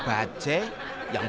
blah discover indonesia